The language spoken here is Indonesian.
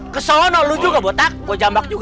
keselona lu juga botak kok jambak juga lu